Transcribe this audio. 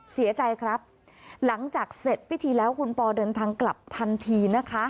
เสียใจครับหลังจากเสร็จพิธีแล้วคุณปอเดินทางกลับทันทีนะคะ